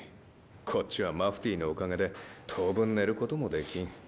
こっちはマフティーのおかげで当分寝ることもできん。